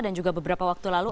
dan juga beberapa waktu lalu